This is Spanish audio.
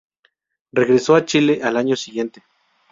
Regresó a Chile al año siguiente.